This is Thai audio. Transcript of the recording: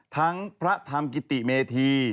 ทั้งพระธรรมกิติเมธี